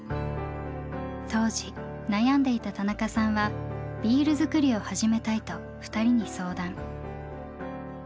当時悩んでいた田中さんはビール造りを始めたいと２人に相談。